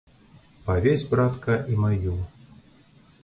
Павесь, братка, і маю.